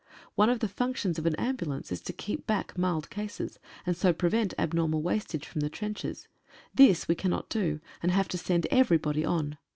One of the functions of an ambulance is to keep back mild cases, and so prevent abnormal wastage from the trenches. This we cannot do, and have to send everybody on.